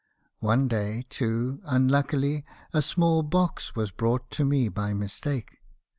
One day, too, unluckily, a small box was brought to me by mistake.